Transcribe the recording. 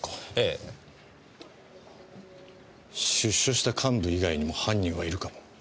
出所した幹部以外にも犯人はいるかも。